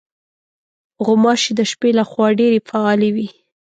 غوماشې د شپې له خوا ډېرې فعالې وي.